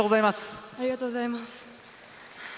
ありがとうございます。